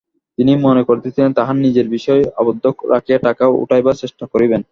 তিনি মনে করিতেছিলেন, তাঁহার নিজের বিষয় আবদ্ধ রাখিয়া টাকা উঠাইবার চেষ্টা করিবেন।